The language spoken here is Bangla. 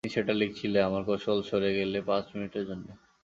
একদিন সেটা লিখছিলে, আমারই কৌশলে সরে গেলে পাঁচ মিনিটের জন্যে।